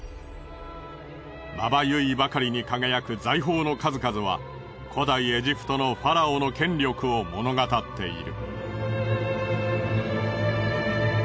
まばゆいばかりに輝く財宝の数々は古代エジプトのファラオの権力を物語っている。